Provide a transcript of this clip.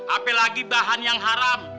apalagi bahan yang haram